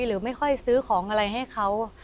หรือไม่ค่อยซื้อของอะไรให้เขา